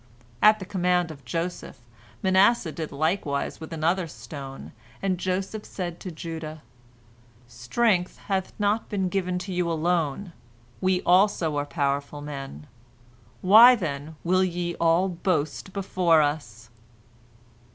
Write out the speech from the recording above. At the command of Joseph, Manasseh did likewise with another stone, and Joseph said to Judah: "Strength hath not been given to you alone, we also are powerful men. Why, then, will ye all boast before us?"